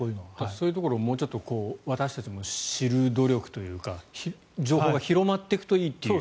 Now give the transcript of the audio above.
そういうところをもうちょっと私たちも知る努力というか情報が広まっていくといいという。